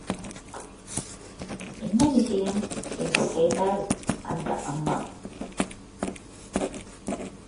என்ன விஷயம்? என்று கேட்டாள், அந்த அம்மா.